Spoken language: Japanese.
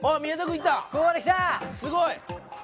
すごい！